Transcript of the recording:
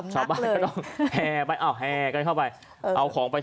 ชาวบ้านก็ต้องแห่ไปเอาแห่กันเข้าไปเอาของไป